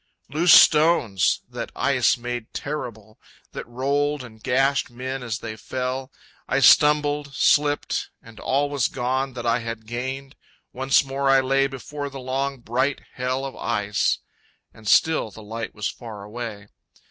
Loose stones that ice made terrible, That rolled and gashed men as they fell. I stumbled, slipped... and all was gone That I had gained. Once more I lay Before the long bright Hell of ice. And still the light was far away.